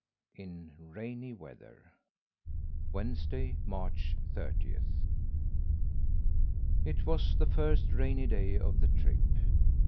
IN RAINY WEATHER Wednesday, March thirtieth. It was the first rainy day of the trip.